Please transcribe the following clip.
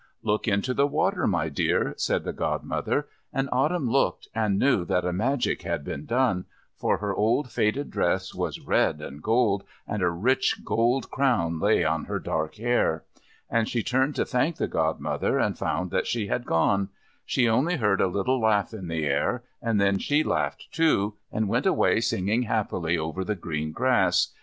"Look into the water, my dear," said the Godmother, and Autumn looked and knew that a magic had been done, for her old faded dress was red and gold, and a rich gold crown lay on her dark hair. And she turned to thank the Godmother, and found that she had gone. She only heard a little laugh in the air, and then she laughed, too, and went away singing happily over the green grass.